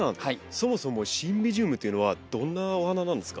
そもそもシンビジウムというのはどんなお花なんですか？